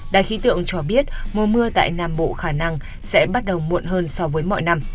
đài khí tượng cho biết mùa mưa tại nam bộ khả năng sẽ bắt đầu muộn hơn so với mọi năm